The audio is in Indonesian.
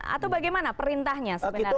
atau bagaimana perintahnya sebenarnya